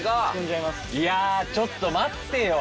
いやちょっと待ってよ。